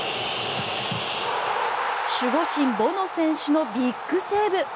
守護神ボノ選手のビッグセーブ。